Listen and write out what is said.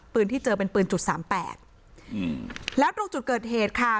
ที่เจอเป็นปืนจุดสามแปดอืมแล้วตรงจุดเกิดเหตุค่ะ